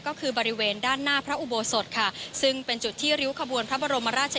ก็คือบริเวณด้านหน้าพระอุโบสถค่ะซึ่งเป็นจุดที่ริ้วขบวนพระบรมราช